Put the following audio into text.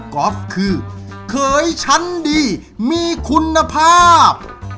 ก๊อบคือเคยชั้นดีมีคุณภาพ